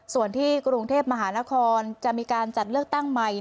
ส่วนที่กรุงเทพมหานครจะมีการจัดเลือกตั้งใหม่